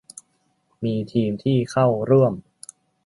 มีทีมที่เข้าร่วม